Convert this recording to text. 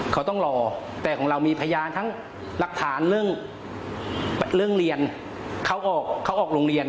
เขาต้องรอแต่ของเรามีพยานทั้งหลักฐานเรื่องเรียนเขาออกโรงเรียน